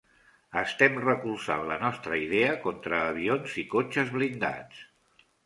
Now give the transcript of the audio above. Estem recolzant la nostra idea contra avions i cotxes blindats.